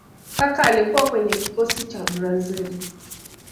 Kaka alikuwa kwyenye kikosi cha brazili